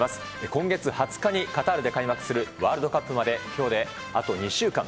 今月２０日にカタールで開幕するワールドカップまで、きょうであと２週間。